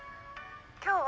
今日は」・